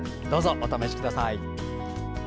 どうぞお試しください。